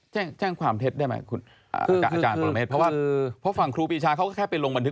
แจ้งแจ้งความเท็จได้ไหมครับอาจารย์ปรหมเทศ